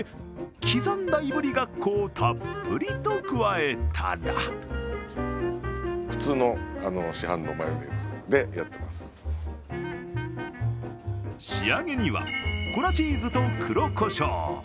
刻んだいぶりがっこをたっぷりと加えたら仕上げには粉チーズと黒こしょう。